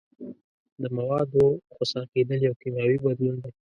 د موادو خسا کیدل یو کیمیاوي بدلون دی.